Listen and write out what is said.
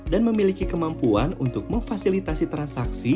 dan memiliki kemampuan untuk memfasilitasi transaksi